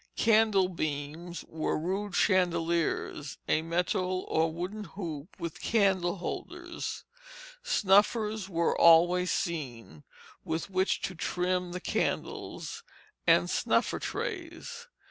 Candle beams were rude chandeliers, a metal or wooden hoop with candle holders. Snuffers were always seen, with which to trim the candles, and snuffers trays.